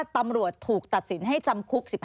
ถ้าตำรวจถูกตัดศิลป์ให้จำคุก